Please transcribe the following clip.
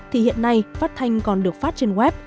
thì hiện nay phát thanh còn được phát trên web